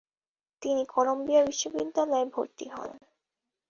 তিনি কলাম্বিয়া বিশ্ববিদ্যালয়ে ভর্তি হন।